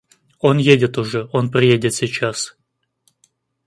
Он едет уже, он приедет сейчас.